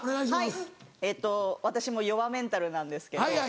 はい私も弱メンタルなんですけれど。